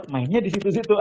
mainnya di situ situ